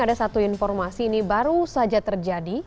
ada satu informasi ini baru saja terjadi